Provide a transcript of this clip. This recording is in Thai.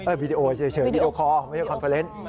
เอ้อวิดีโอเฉยวิดีโอคอไม่ใช่คอนเฟอร์เนส